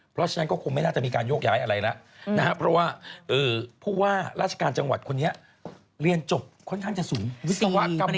เพราะฉะนั้นก็คงไม่น่าจะมีการโยกย้ายอะไรนะเพราะว่าราชการจังหวัดคนนี้เรียนจบค่อนข้างจะสูงวิสวะกรรมศาสตร์